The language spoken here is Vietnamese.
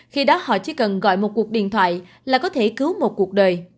khi đó họ chỉ cần gọi một cuộc điện thoại là có thể cứu một cuộc đời